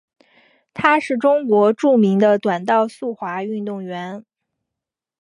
她是中国著名的短道速滑运动员。